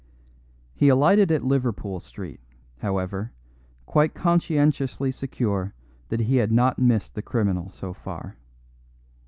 He alighted at Liverpool Street, however, quite conscientiously secure that he had not missed the criminal so far.